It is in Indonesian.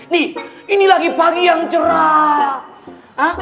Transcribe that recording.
nih ini lagi pagi yang cerah